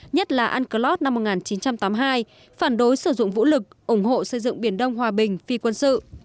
nhất là unclos năm một nghìn chín trăm tám mươi hai phản đối sử dụng vũ lực ủng hộ xây dựng biển đông hòa bình phi quân sự